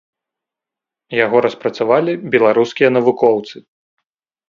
Яго распрацавалі беларускія навукоўцы.